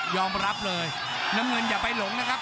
รับเลยน้ำเงินอย่าไปหลงนะครับ